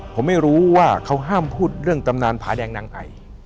ผมไม่รู้ว่าเขาห้ามพูดเรื่องตำนานผาแดงนางไอ